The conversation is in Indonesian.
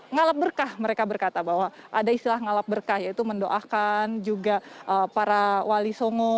ngalap berkah mereka berkata bahwa ada istilah ngalap berkah yaitu mendoakan juga para wali songo